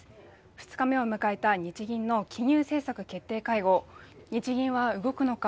２日目を迎えた日銀の金融政策決定会合日銀は動くのか